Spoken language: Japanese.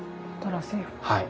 はい。